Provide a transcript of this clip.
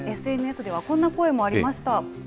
ＳＮＳではこんな声もありました。